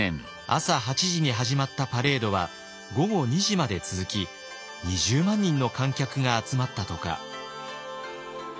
朝８時に始まったパレードは午後２時まで続き２０万人の観客が集まったとか。